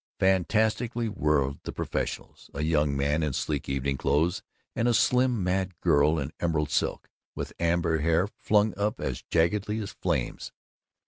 Fantastically whirled the professionals, a young man in sleek evening clothes and a slim mad girl in emerald silk, with amber hair flung up as jaggedly as flames.